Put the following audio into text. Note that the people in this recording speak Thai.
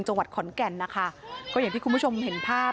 จังหวัดขอนแก่นนะคะก็อย่างที่คุณผู้ชมเห็นภาพ